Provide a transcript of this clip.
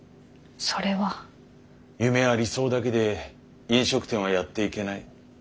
夢や理想だけで飲食店はやっていけない。